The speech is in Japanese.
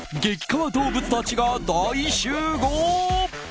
カワ動物たちが大集合！